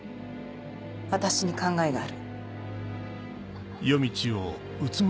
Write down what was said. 私に考えがある。